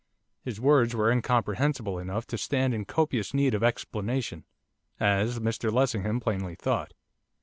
His words were incomprehensible enough to stand in copious need of explanation, as Mr Lessingham plainly thought.